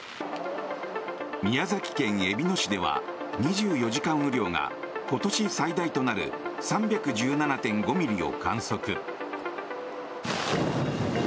宮崎県えびの市では２４時間雨量が今年最大となる３１７．５ミリを観測。